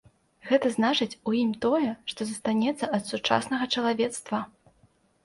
Гэта значыць, у ім тое, што застанецца ад сучаснага чалавецтва.